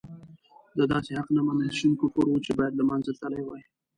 د داسې حق نه منل شين کفر وو چې باید له منځه تللی وای.